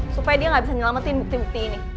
supaya dia gak bisa ngelametin bukti bukti ini